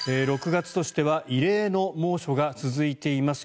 ６月としては異例の猛暑が続いています。